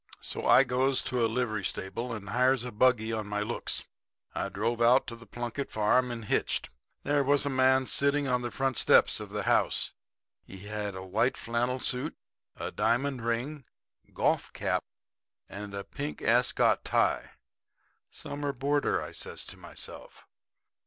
"So, I goes to a livery stable and hires a buggy on my looks. I drove out to the Plunkett farm and hitched. There was a man sitting on the front steps of the house. He had on a white flannel suit, a diamond ring, golf cap and a pink ascot tie. 'Summer boarder,' says I to myself.